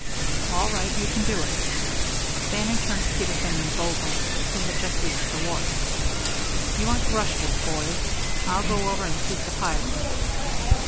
"All right, you can do it." Bannon turned to Peterson and Vogel (who had just reached the wharf). "You want to rush this, boys. I'll go over and see to the piling."